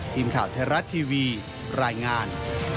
ทีมข่าวไทยรัฐทีวีรายงาน